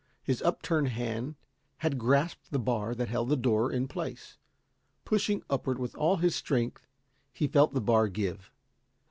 His upturned hand had grasped the bar that held the door in place. Pushing upward with all his strength he felt the bar give.